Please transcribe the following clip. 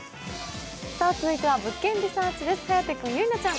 続いては「物件リサーチ」です。